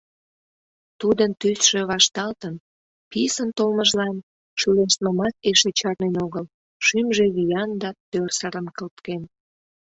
Тудын тӱсшӧ вашталтын, писын толмыжлан, шӱлештмымат эше чарнен огыл, шӱмжӧ виян да тӧрсырын кылткен.